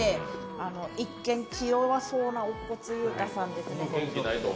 あの一見気弱そうな乙骨憂太さんですね。